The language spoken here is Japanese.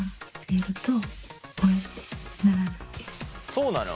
そうなの？